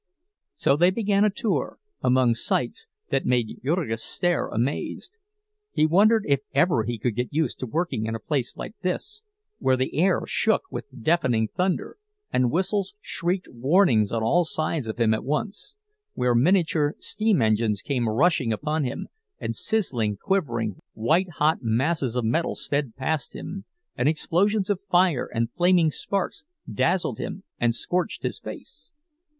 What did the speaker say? So they began a tour, among sights that made Jurgis stare amazed. He wondered if ever he could get used to working in a place like this, where the air shook with deafening thunder, and whistles shrieked warnings on all sides of him at once; where miniature steam engines came rushing upon him, and sizzling, quivering, white hot masses of metal sped past him, and explosions of fire and flaming sparks dazzled him and scorched his face.